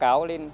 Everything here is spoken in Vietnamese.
để báo cáo lên